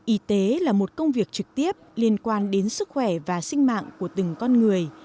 y tế là một công việc trực tiếp liên quan đến sức khỏe và sinh mạng của từng con người